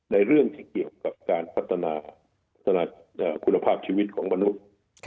เรื่องที่เกี่ยวกับการพัฒนาคุณภาพชีวิตของมนุษย์